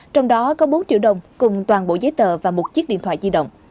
trong đó có bốn triệu đồng cùng toàn bộ giấy tờ và một chiếc điện thoại di động